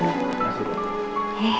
terima kasih dok